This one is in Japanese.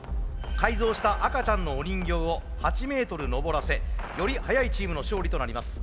改造した赤ちゃんのお人形を８メートル登らせより速いチームの勝利となります。